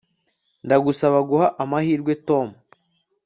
Ndagusaba guha amahirwe Tom